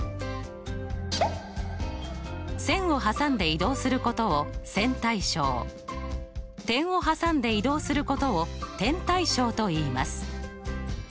線を挟んで移動することを線対称点を挟んで移動することを点対称といいます。